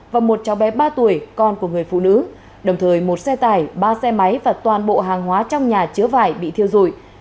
và một cháu bé ba tuổi con của người phụ nữ đồng thời một xe tải ba xe máy và toàn bộ hàng hóa trong nhà chứa vải bị thiêu dụi